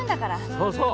そうそう。